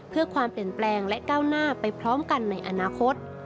เพื่อความเปลี่ยนแปลงและก้าวหน้าไปพร้อมกันในอนาคต